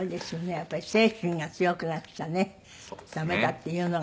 やっぱり精神が強くなくちゃねダメだっていうのが大変。